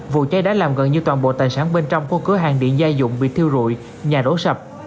vụ cháy đã làm gần như toàn bộ tài sản bên trong của cửa hàng điện gia dụng bị thiêu rụi nhà rỗ sập